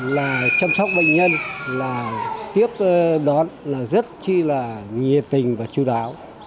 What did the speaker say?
là chăm sóc bệnh nhân là tiếp đón là rất là nhiệt tình và chú đáo